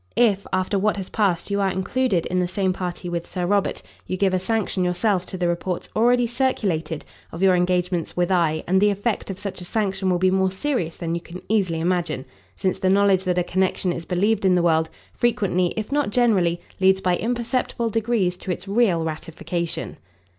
If, after what has passed, you are included in the same party with Sir Robert, you give a sanction yourself to the reports already circulated of your engagements with him and the effect of such a sanction will be more serious than you can easily imagine, since the knowledge that a connection is believed in the world, frequently, if not generally, leads by imperceptible degrees to its real ratification."